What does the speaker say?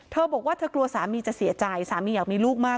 เธอบอกว่าเธอกลัวสามีจะเสียใจสามีอยากมีลูกมาก